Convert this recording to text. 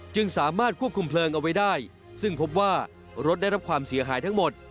จึงสามารถควบคุมเพลิงเอาไว้ได้ซึ่งพบว่ารถได้รับความเสียหายทั้งหมด